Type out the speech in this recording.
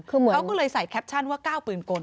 คือเขาก็เลยใส่แคปชั่นว่าก้าวปืนกล